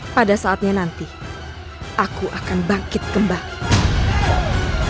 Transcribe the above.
pada saatnya nanti aku akan bangkit kembali